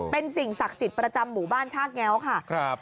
เป็นสิ่งศักดิ์สิทธิ์ประจำหมู่บ้านชากแง้วค่ะ